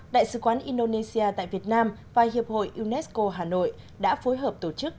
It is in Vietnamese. đại sứ quán indonesia tại việt nam và hiệp hội unesco hà nội đã phối hợp tổ chức